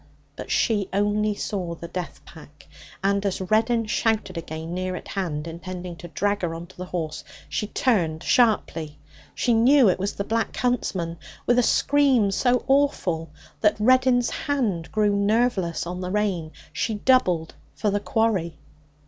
But she only saw the death pack; and as Reddin shouted again near at hand, intending to drag her on to the horse, she turned sharply. She knew it was the Black Huntsman. With a scream so awful that Reddin's hands grew nerveless on the rein, she doubled for the quarry.